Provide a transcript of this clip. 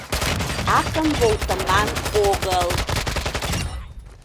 — Акым волтыман огыл!